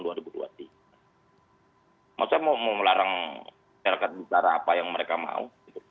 masyarakat mau melarang bicara apa yang mereka mau